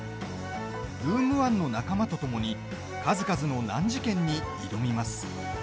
ルーム１の仲間とともに数々の難事件に挑みます。